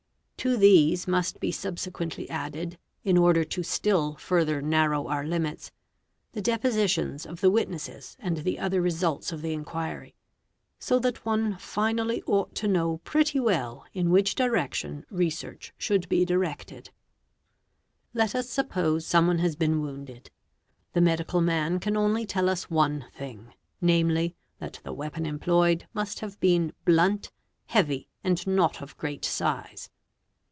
To these must be subsequently added, in order to still further narrow our limits, the depositions of the witnesses. and the other results of the inquiry, so that one finally ought to ae | pretty well in which direction research should be directed. Let us suppose someone has been wounded: the medical man can — only tell us one thing, namely that the weapon employed' must have : been blunt, heavy, and not of great size.